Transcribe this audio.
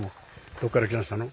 どっから来ましたの？